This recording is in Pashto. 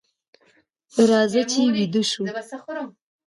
راځئ چې ویده شو.